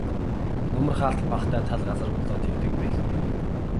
Нөмөр хаалт багатай тал газар болоод тэгдэг байлгүй.